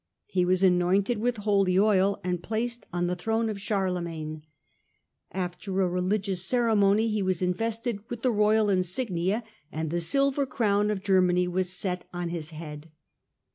He was anointed with holy oil and placed on the throne of Charle 48 STUPOR MUNDI magne. After a religious ceremony he was invested with the royal insignia and the silver crown of Germany was set on his head.